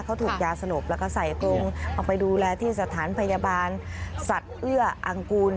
เขาถูกยาสนบแล้วก็ใส่กรงเอาไปดูแลที่สถานพยาบาลสัตว์เอื้ออังกูล